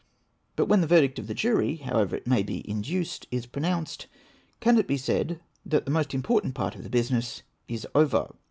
But when the verdict of the jury — however it may be induced — is pronounced, can it be said that the most important part of the business is over